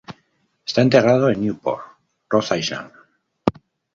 Está enterrado en Newport, Rhode Island.